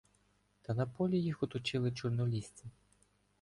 Та на полі їх оточили чорнолісці.